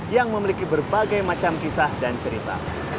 yang memiliki berbagai macam kisah dan cerita